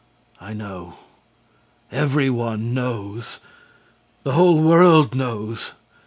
'I know. Every one knows. The whole world knows.